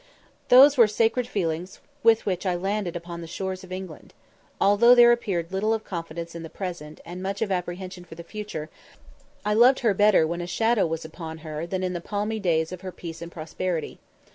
Those were sacred feelings with which I landed upon the shores of England. Although there appeared little of confidence in the present, and much of apprehension for the future, I loved her better when a shadow was upon her than in the palmy days of her peace and prosperity.